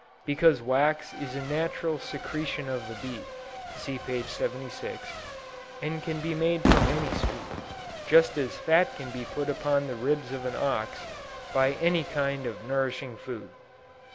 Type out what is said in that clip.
because wax is a natural secretion of the bee, (see p. 76,) and can be made from any sweet; just as fat can be put upon the ribs of an ox, by any kind of nourishing food.